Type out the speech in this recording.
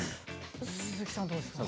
鈴木さんはどうですか。